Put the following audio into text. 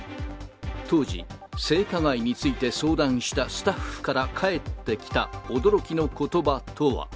当時、性加害について相談したスタッフから返ってきた驚きのことばとは。